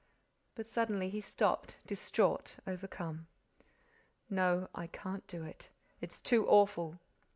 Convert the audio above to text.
But, suddenly, he stopped, distraught, overcome: "No, I can't do it—it's too awful.